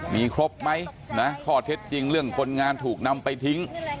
มีครบไหมนะข้อเท็จจริงเรื่องคนงานถูกนำไปทิ้ง